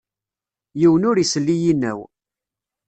Yiwen ur issel i yinaw.